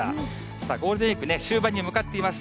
さあ、ゴールデンウィークね、終盤に向かっています。